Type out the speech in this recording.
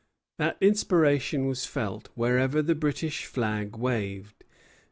That inspiration was felt wherever the British flag waved.